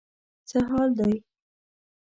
څه حال دی.